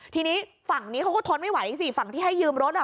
ทีนี้ฝั่งนี้เขาก็ทนไม่ไหวสิฝั่งที่ให้ยืมรถอ่ะ